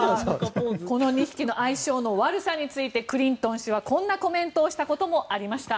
この２匹の相性の悪さについてクリントン氏はこんなコメントをしたこともありました。